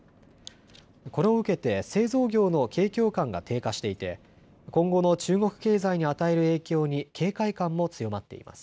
これを受けて製造業の景況感が低下していて今後の中国経済に与える影響に警戒感も強まっています。